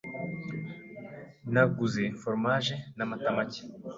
Naguze foromaje n'amata make.